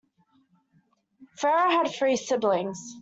Ferrer had three siblings.